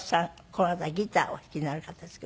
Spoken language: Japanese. この方ギターお弾きになる方ですけど。